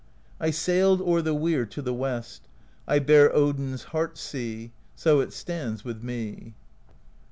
2i8 PROSE EDDA I sailed o'er the Weir To the West: I bear Odin's Heart Sea. So it stands with me.